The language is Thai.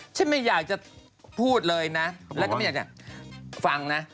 ไม่อยากจะพูดเลยนะแล้วก็ไม่อยากจะฟังนะ